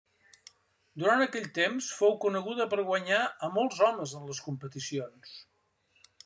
Durant aquell temps fou coneguda per guanyar a molts homes en les competicions.